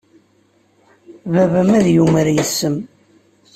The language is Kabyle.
Baba-m ad yumar yes-m.